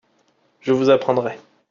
Je vous apprendrai.